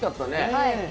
はい。